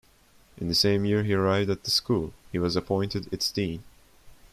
In the same year he arrived at the School, he was appointed its dean.